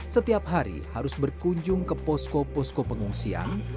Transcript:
setiap hari harus berkunjung ke posko posko pengungsian